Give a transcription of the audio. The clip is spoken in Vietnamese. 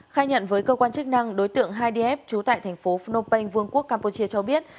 khai nhận với cơ quan chức năng đối tượng hiv trú tại thành phố phnom penh vương quốc campuchia cho biết